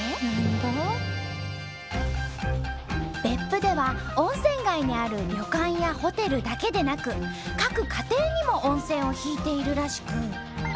別府では温泉街にある旅館やホテルだけでなく各家庭にも温泉を引いているらしく。